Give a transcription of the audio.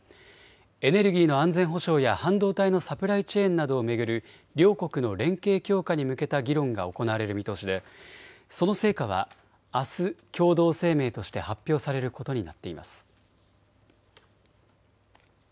エネルギーの安全保障や半導体のサプライチェーンなどを巡る両国の連携強化に向けた議論が行われる見通しでその成果はあす、共同声明として発表されることになっています。